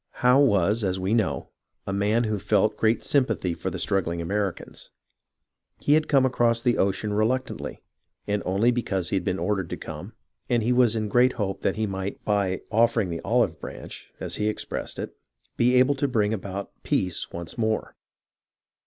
Howe was, as we know, _a man who felt great sym pathy for the struggling Americans. He had come across the ocean reluctantly, and only because he had been ordered to come, and he was in great hope that he might, by " offering the olive branch," as he expressed it, be able to bring about joeace once more.